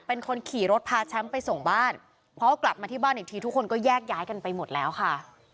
เป็นคนขี่รถพาแชมป์ไปส่งบ้านพอกลับมาที่บ้านอีกทีทุกคนก็แยกย้ายกันไปหมดแล้วค่ะ